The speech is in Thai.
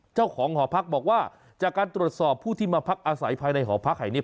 เจ้าของหอพักบอกว่าจากการตรวจสอบผู้ที่มาพักอาศัยภายในหอพักแห่งนี้